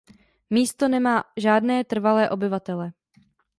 Místo nemá žádné trvalé obyvatele.